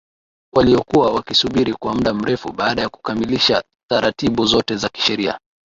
waliokuwa wakisubiri kwa muda mrefu baada ya kukamilisha taratibu zote za kisheria